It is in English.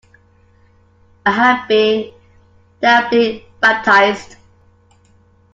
I have been doubly baptized.